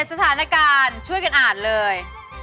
สถานการณ์ช่วยกันอ่านเลย